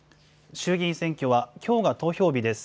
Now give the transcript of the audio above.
衆議院選挙は、きょうが投票日です。